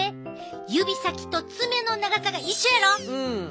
指先と爪の長さが一緒やろ！